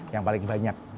yang paling banyak